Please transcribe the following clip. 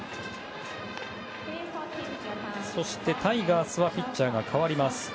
そしてタイガースはピッチャーが代わります。